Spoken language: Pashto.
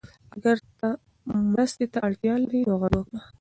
اگر ته مرستې ته اړتیا لرې نو غږ وکړه.